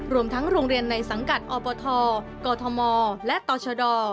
รวมทั้งโรงเรียนในสังกัดอบทกธมและต่อชด